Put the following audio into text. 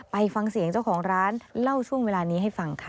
ไปฟังเสียงเจ้าของร้านเล่าช่วงเวลานี้ให้ฟังค่ะ